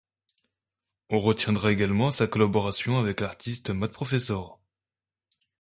On retiendra également sa collaboration avec l'artiste Mad Professor.